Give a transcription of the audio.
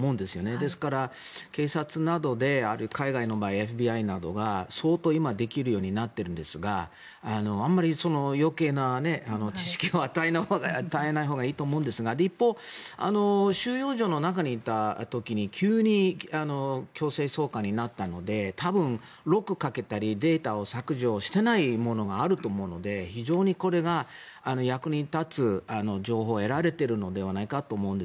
ですから警察などであるいは海外の場合ＦＢＩなどが相当、今できるようになっているんですがあまり余計な知識を与えないほうがいいと思うんですが一方、収容所の中にいた時に急に強制送還になったので多分、ロックをかけたりデータを削除していないものがあると思うので非常にこれが役に立つ情報を得られているのではないかと思うんです。